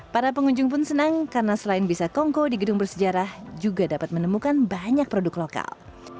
para pengunjung pun senang karena selain bisa kongko di gedung bersejarah juga dapat menemukan banyak produk lokal